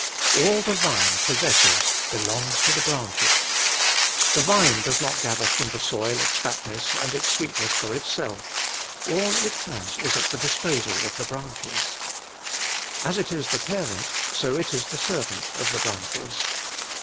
All the vine possesses belongs to the branches. The vine does not gather from the soil its fatness and its sweetness for itself, — all it has is at the disposal of the branches. As it is the parent, so it is the servant of the branches.